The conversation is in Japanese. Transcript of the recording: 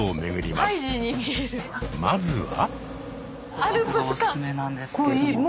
まずは。